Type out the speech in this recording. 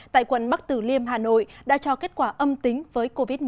tại quận bắc tử liêm hà nội đã cho kết quả âm tính với covid một mươi chín